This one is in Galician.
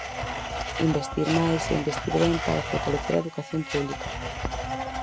Investir máis e investir ben para fortalecer a educación pública.